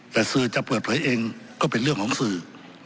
แต่สื่อจะเปิดเผยเองก็เป็นเรื่องของสื่อ